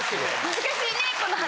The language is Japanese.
難しいねこの話。